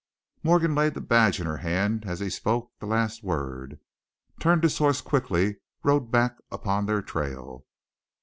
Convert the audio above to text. Morgan laid the badge in her hand as he spoke the last word, turned his horse quickly, rode back upon their trail.